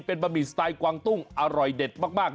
เป็นบะหมี่สไตล์กวางตุ้งอร่อยเด็ดมาก